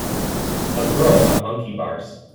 A girl on monkey bars.